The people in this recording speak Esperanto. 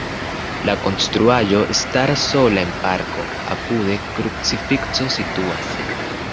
La konstruaĵo staras sola en parko, apude krucifikso situas.